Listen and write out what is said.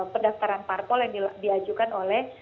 pendaftaran parpol yang diajukan oleh